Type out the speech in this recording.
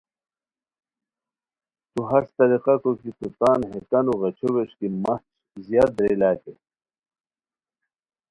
تو ہݰ طریقہ کو کی تو تان ہے کانو غیچھو ویݰکی مہچ زیاد درے لاکے